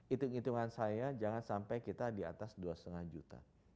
hitung hitungan saya jangan sampai kita di atas dua lima juta